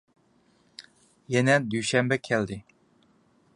يەنە دۈشەنبە كەلدى.